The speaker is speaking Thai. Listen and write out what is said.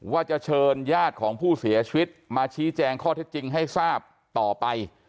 ว่าจะเชิญญาติของผู้เสียชีวิตมาชี้แจงข้อเท็จจริงให้ทราบต่อไป